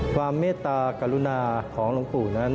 ความเมตตากรุณาของลงปู่นั้น